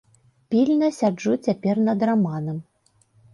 Пільна сяджу цяпер над раманам.